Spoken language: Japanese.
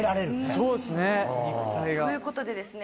そうですね肉体が。ということでですね